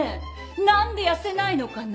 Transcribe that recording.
何で痩せないのかな？